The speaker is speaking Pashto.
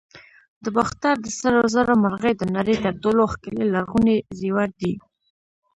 د باختر د سرو زرو مرغۍ د نړۍ تر ټولو ښکلي لرغوني زیور دی